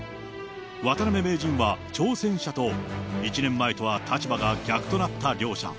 渡辺名人は挑戦者と、１年前とは立場が逆となった両者。